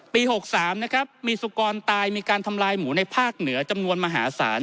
๖๓นะครับมีสุกรตายมีการทำลายหมูในภาคเหนือจำนวนมหาศาล